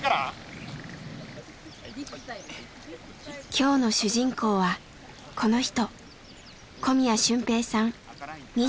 今日の主人公はこの人。